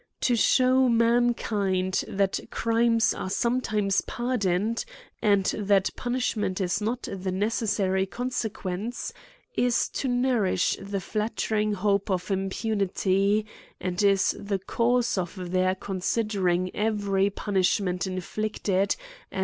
To shew mankind that crimes are sometimes pardoned, and that punishment is not the necessary consequence, is to nourish the flattering hope of impunity, and is the cause of their considering every punishment inflicted as CRIMES AND PUNISHMENTSv 151?